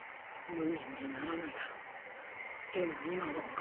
無念でならないだろうでも今は。